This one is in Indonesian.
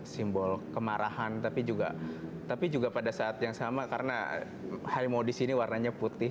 simbol kemarahan tapi juga pada saat yang sama karena harimau disini warnanya putih